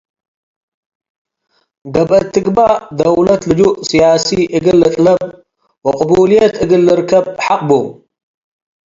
ገብአት ትግበእ ደውለት ልጁእ ስያሲ እግል ልጥለብ ወቅቡልየት እግል ልርከብ ሐቅ ቡ።